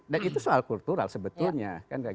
dan itu soal kultural sebetulnya